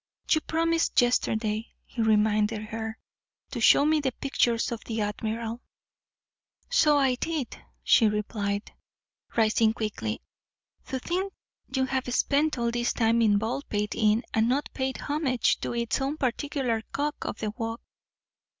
"You promised yesterday," he reminded her, "to show me the pictures of the admiral." "So I did," she replied, rising quickly. "To think you have spent all this time in Baldpate Inn and not paid homage to its own particular cock of the walk."